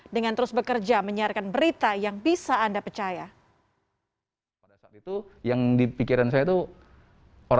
dengan terus bekerja menyiarkan berita yang bisa anda percaya